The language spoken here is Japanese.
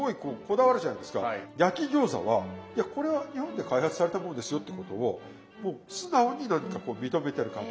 焼き餃子はいやこれは日本で開発されたものですよってことを素直に何かこう認めてる感じ。